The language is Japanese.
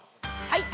はい。